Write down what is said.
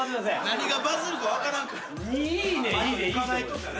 何がバズるか分からんから。